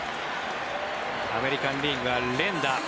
アメリカン・リーグが連打。